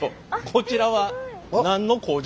こちらは何の工場？